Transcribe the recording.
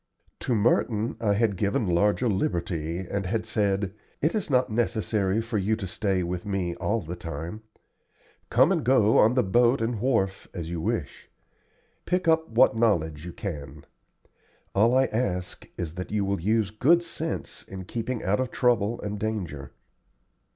To Merton I had given larger liberty, and had said: "It is not necessary for you to stay with me all the time. Come and go on the boat and wharf as you wish. Pick up what knowledge you can. All I ask is that you will use good sense in keeping out of trouble and danger."